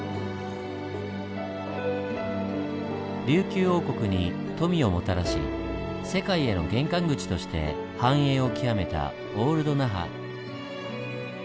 琉球王国に富をもたらし世界への玄関口として繁栄を極めたオールド那覇。